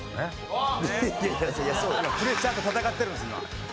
プレッシャーと戦ってるんです今。